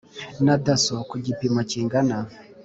Na dasso ku gipimo kingana